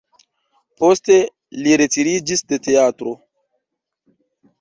Poste li retiriĝis de teatro.